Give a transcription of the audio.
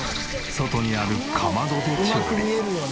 外にあるかまどで調理。